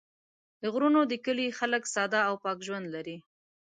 د غرونو د کلي خلک ساده او پاک ژوند لري.